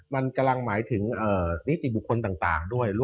มันกำลังหมายถึงนิติบุคคลต่างด้วย